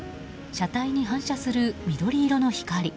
車体に反射する緑色の光。